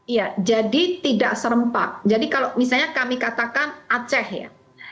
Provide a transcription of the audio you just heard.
iya jadi tidak serempak jadi kalau misalnya kami katakan aceh ya